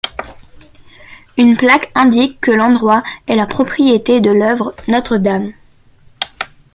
Une plaque indique que l'endroit est la propriété de l’œuvre Notre Dame.